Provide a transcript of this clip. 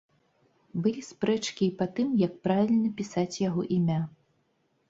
Былі спрэчкі і па тым, як правільна пісаць яго імя.